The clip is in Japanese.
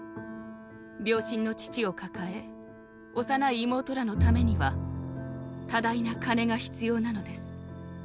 病身の父をかかえおさない妹等の為には多大な金が必要なのです。